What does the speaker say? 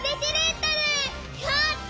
やった！